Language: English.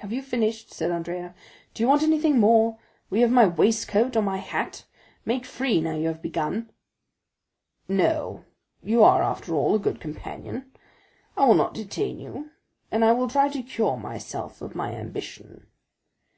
"Have you finished?" said Andrea,—"do you want anything more?—will you have my waistcoat or my hat? Make free, now you have begun." "No; you are, after all, a good companion; I will not detain you, and will try to cure myself of my ambition."